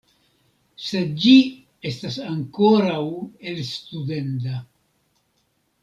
Sed ĝi estas ankoraŭ elstudenda.